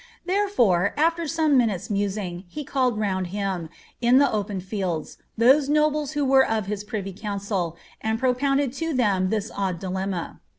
Therefore, aher some minutes' musing, he called round him, in tlie open fields, those nobles who were of his privy council, and pro pounded to them this odd dilemma.